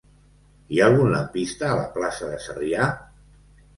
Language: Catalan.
Hi ha algun lampista a la plaça de Sarrià?